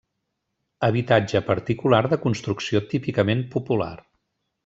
Habitatge particular de construcció típicament popular.